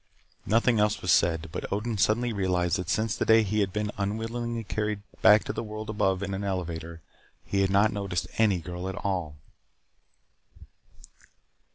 Nothing else was said. But Odin suddenly realized that since the day he had been unwillingly carried back to the world above in the elevator he had not noticed any girl at all.